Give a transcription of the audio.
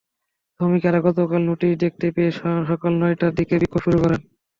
শ্রমিকেরা গতকাল নোটিশ দেখতে পেয়ে সকাল নয়টার দিকে বিক্ষোভ শুরু করেন।